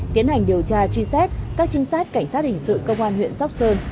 tiến hành điều tra truy xét các trinh sát cảnh sát hình sự công an huyện sóc sơn